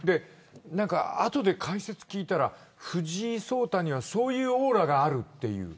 あとで解説を聞いたら藤井聡太にはそういうオーラがあるっていう。